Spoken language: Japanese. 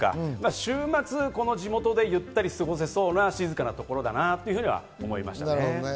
週末、地元でゆったり過ごせそうな静かなところだなと思いましたね。